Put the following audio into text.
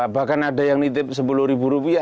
bahkan ada yang nitip sepuluh ribu rupiah